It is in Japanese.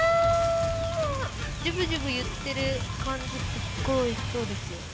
ジュブジュブいってる感じすごいおいしそうですよ。